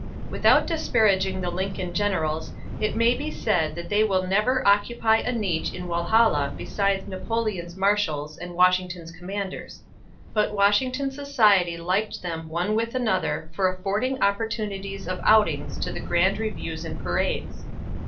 Without disparaging the Lincoln generals, it may be said that they will never occupy a niche in Walhalla beside Napoleon's marshals and Washington's commanders. But Washington society liked them one with another for affording opportunities of outings to the grand reviews and parades.